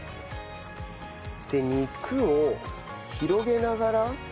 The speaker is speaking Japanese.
で肉を広げながら。